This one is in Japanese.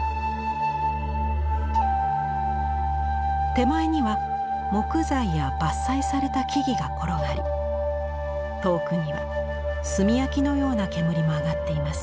手前には木材や伐採された木々が転がり遠くには炭焼きのような煙も上がっています。